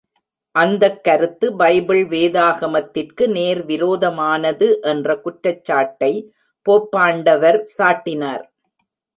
அந்தக் கருத்து பைபிள் வேதாகமத்திற்கு நேர் விரோதமானது என்ற குற்றச்சாட்டை போப்பாண்டவர் சாட்டினார்.